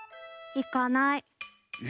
いかない？